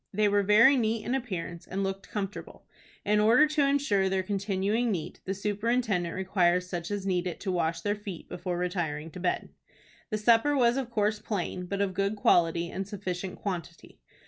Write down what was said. They were very neat in appearance, and looked comfortable. In order to insure their continuing neat, the superintendent requires such as need it to wash their feet before retiring to bed. The supper was of course plain, but of good quality and sufficient quantity.